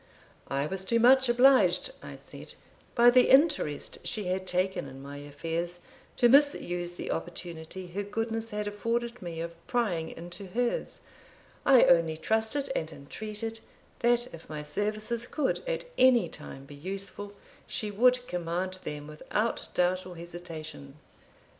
"I was too much obliged," I said, "by the interest she had taken in my affairs, to misuse the opportunity her goodness had afforded me of prying into hers I only trusted and entreated, that if my services could at any time be useful, she would command them without doubt or hesitation."